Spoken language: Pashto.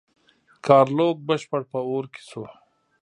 ګارلوک بشپړ په اور کې شو.